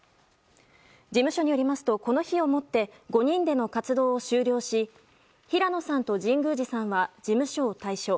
事務所によりますとこの日をもって５人での活動を終了し平野さんと神宮寺さんは事務所を退所。